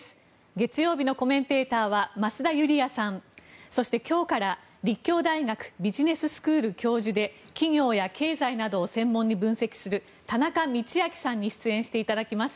月曜日のコメンテーターは増田ユリヤさんそして、今日から立教大学ビジネススクール教授で企業や経済などを専門に分析する田中道昭さんに出演していただきます。